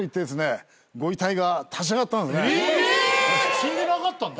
死んでなかったの？